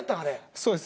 そうです。